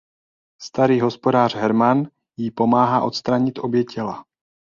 Starý hospodář Herman jí pomáhá odstranit obě těla.